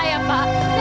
saya mau saya dihukum